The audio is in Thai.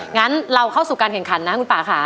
งั้นเราเข้าสู่การแข่งขันนะคุณป่าค่ะ